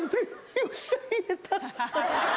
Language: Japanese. よっしゃ言えた！